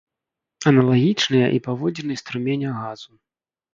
Аналагічныя і паводзіны струменя газу.